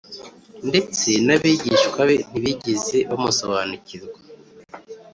. Ndetse n’abigishwa be ntibigeze bamusobanukirwa.